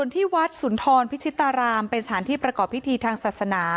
ที่วัดสุนทรพิชิตารามเป็นสถานที่ประกอบพิธีทางศาสนา